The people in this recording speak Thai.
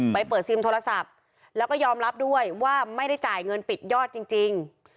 ไปเปิดซิมโทรศัพท์แล้วก็ยอมรับด้วยว่าไม่ได้จ่ายเงินปิดยอดจริง